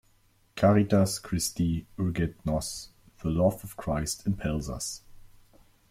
"Caritas Christi Urget Nos" -The Love of Christ Impels Us.